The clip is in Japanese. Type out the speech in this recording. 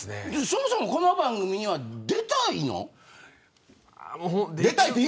そもそもこの番組には出たいの。